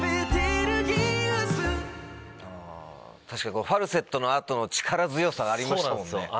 確かにファルセットの後の力強さがありましたもんね。